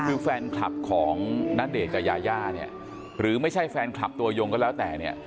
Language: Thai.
คือแฟนคลับของณเดชน์กับยาย่าเนี่ยหรือไม่ใช่แฟนคลับตัวยงก็แล้วแต่เนี่ย